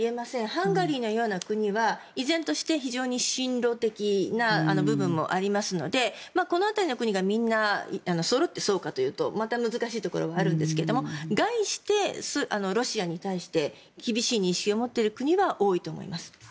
ハンガリーのような国は依然として親ロ的な部分もありますのでこの辺りの国がみんなそろってそうかというとまた難しいところはあるんですが概してロシアに対して厳しい認識を持っている国は多いと思います。